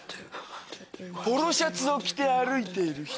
ポロシャツを着て歩いている人。